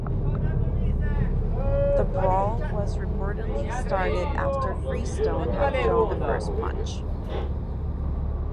The brawl was reportedly started after Freestone had thrown the first punch.